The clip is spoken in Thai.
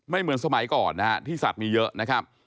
เหมือนสมัยก่อนนะฮะที่สัตว์มีเยอะนะครับ